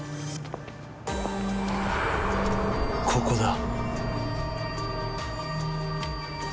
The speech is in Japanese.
ここだ。